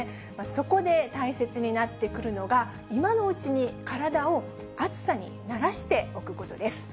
そこで大切になってくるのが、今のうちに体を暑さに慣らしておくことです。